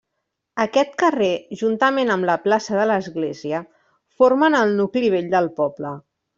Aquest carrer juntament amb la plaça de l'Església formen el nucli vell del poble.